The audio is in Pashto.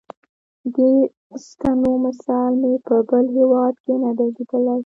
دې ستنو مثال مې په بل هېواد کې نه دی لیدلی.